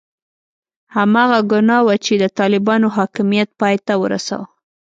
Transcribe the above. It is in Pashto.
هماغه ګناه وه چې د طالبانو حاکمیت یې پای ته ورساوه.